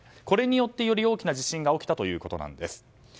これによって、より大きな地震が起きたということです。